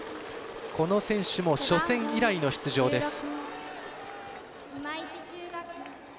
この選手も初戦以来の出場です。